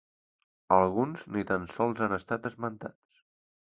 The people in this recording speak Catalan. Alguns ni tan sols han estat esmentats.